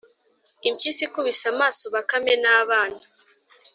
impyisi ikubise amaso bakame n’abana